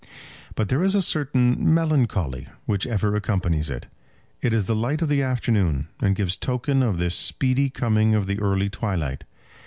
But there is a certain melancholy which ever accompanies it. It is the light of the afternoon, and gives token of the speedy coming of the early twilight.